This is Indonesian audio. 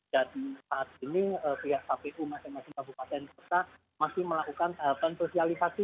dan saat ini pihak kpu masing masing kabupaten kita masih melakukan penfosialisasi